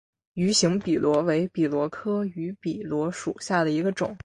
芋形笔螺为笔螺科芋笔螺属下的一个种。